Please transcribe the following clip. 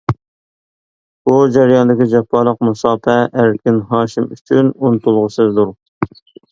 بۇ جەرياندىكى جاپالىق مۇساپە ئەركىن ھاشىم ئۈچۈن ئۇنتۇلغۇسىزدۇر.